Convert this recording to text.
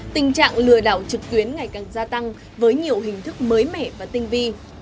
tình trạng lừa đảo trực tuyến ngày càng gia tăng với nhiều hình thức mới mẻ và tinh vi